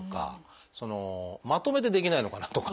そのまとめてできないのかなとか。